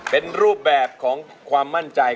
เป็นรูปแบบของความมั่นใจ